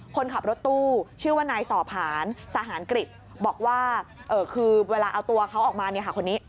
คนขับรถตู้ชื่อว่านายสอผ่านสหารกฤษบอกว่าคือเวลาเอาตัวเขาออกมาเนี่ยค่ะคนนี้